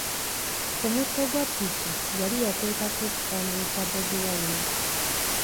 Ku mutto gwa ppiki yali yateekako ekifaanayi kya Bobi Wine.